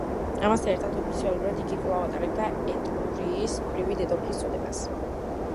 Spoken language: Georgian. ამასთან ერთად ოფიციალურად იგი კვლავ ატარებდა ეტრურიის ქვრივი დედოფლის წოდებას.